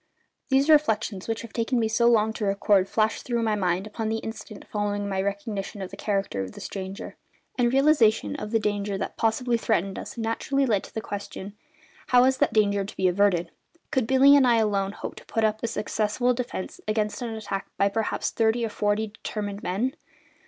These reflections, which have taken me so long to record, flashed through my mind upon the instant following my recognition of the character of the stranger; and realisation of the danger that possibly threatened us naturally led up to the question: How was that danger to be averted? Could Billy and I alone hope to put up a successful defence against an attack by perhaps thirty or forty determined men?